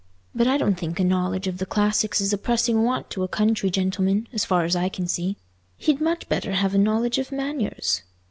But I don't think a knowledge of the classics is a pressing want to a country gentleman; as far as I can see, he'd much better have a knowledge of manures.